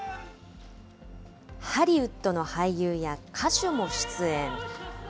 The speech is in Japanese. ハリウッドの俳優や歌手も出演。